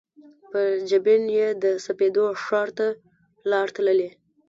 پر جبین یې د سپېدو ښار ته لار تللي